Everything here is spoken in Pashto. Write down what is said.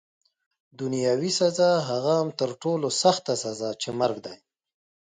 دنیاوي سزا، هغه هم تر ټولو سخته سزا چي مرګ دی.